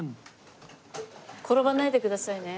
転ばないでくださいね。